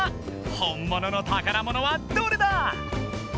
本物の宝物はどれだ？